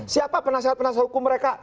siapa penasihat penasihat hukum mereka